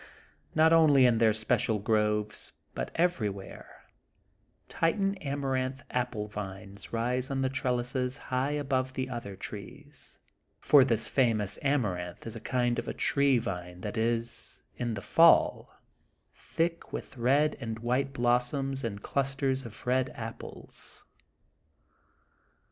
Not only in their special groves, but every where titan Amaranth Apple vines rise on trellises high above the other trees, for this famous Amaranth is a kind of a tree vine that is in the fall thick with red and THE GOLDEN BOOK OF SPRINGFIELD 85 white blossoms and clusters of red apples.